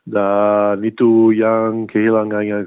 dan itu yang kehilangan